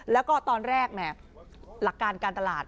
แล้วก็ตอนแรกแหมหลักการการตลาด